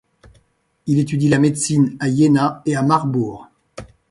Il étudie la médecine à Iéna et à Marbourg.